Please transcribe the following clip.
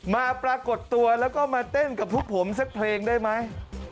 ปรากฏตัวแล้วก็มาเต้นกับพวกผมสักเพลงได้ไหม